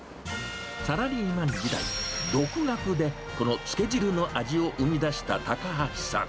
サラリーマン時代、独学でこのつけ汁の味を生み出した高橋さん。